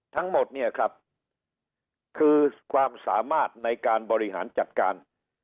ทั้งหมดเนี่ยครับคือความสามารถในการบริหารจัดการ